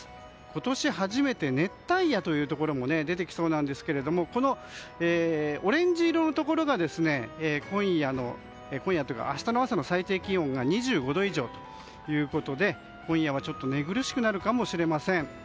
今年初めて熱帯夜というところも出てきそうなんですがオレンジ色のところが今夜というか明日の朝の最低気温が２５度以上ということで今夜は寝苦しくなるかもしれません。